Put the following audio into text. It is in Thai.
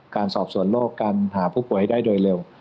การสอบสวนโรคการหาผู้ป่วยได้โดยเร็ว